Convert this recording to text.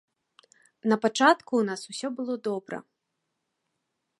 Напачатку ў нас усё было добра.